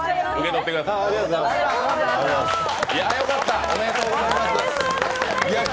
おめでとうございます。